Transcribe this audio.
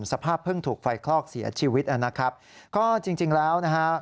สภาพเพิ่งถูกไฟคลอกเสียชีวิตนะครับก็จริงจริงแล้วนะฮะ